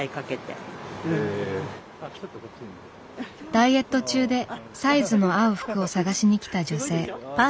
ダイエット中でサイズの合う服を探しにきた女性。